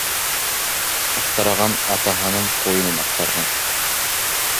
Аптыраған атаһының ҡуйынын аҡтарған.